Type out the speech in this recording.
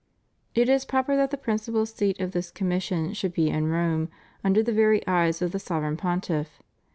It is proper that the principal seat of this commission should be in Rome, under the very eyes of the Sovereign Pontiff.